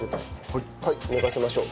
はい寝かせましょう。